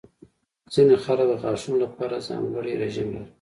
ځینې خلک د غاښونو لپاره ځانګړې رژیم لري.